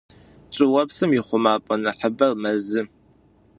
Чӏыопсым иухъумапӏэ инахьыбэр мэзы.